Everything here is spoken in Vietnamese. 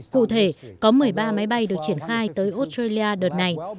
cụ thể có một mươi ba máy bay được triển khai tới australia đợt này